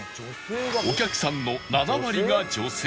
お客さんの７割が女性